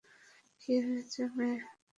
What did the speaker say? কি হয়েছে মেয়ে?